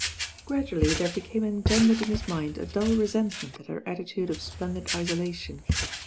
Gradually there became engendered in his mind a dull resentment at her attitude of splendid isola tion.